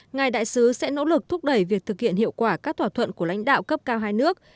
ngài đại sứ sẽ nỗ lực thúc đẩy việc thực hiện hiệu quả các thỏa thuận của lãnh đạo cấp cao hai nước